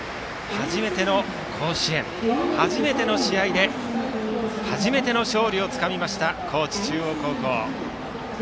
初めての甲子園初めての試合で初めての勝利をつかみました高知中央高校。